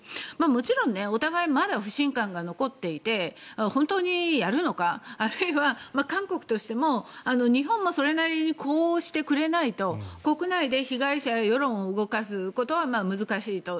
もちろんお互い、まだ不信感が残っていて本当にやるのかあるいは韓国としても日本もそれなりに呼応してくれないと国内で被害者や世論を動かすことは難しいと。